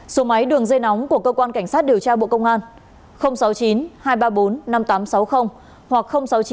số máy đường dây nóng của cơ quan cảnh sát điều tra bộ công an sáu mươi chín hai trăm ba mươi bốn năm nghìn tám trăm sáu mươi hoặc sáu mươi chín hai trăm ba mươi hai một nghìn sáu trăm sáu mươi